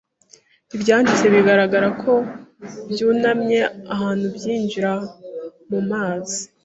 Ibyatsi bigaragara ko byunamye ahantu byinjira mumazi